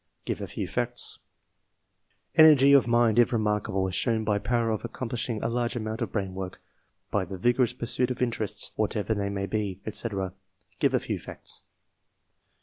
(give a few facts) ? Energy of mind, if remarkable ; as shown by power of accomplishing a large amount of brain work, by the vigorous pursuit of interests, whatever they may be, &c. (give a few facts)